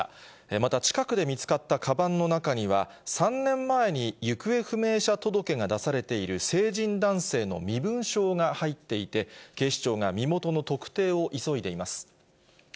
また近くで見つかったかばんの中には、３年前に行方不明者届が出されている成人男性の身分証が入っていて、警視庁が身元の特定を急いでいます。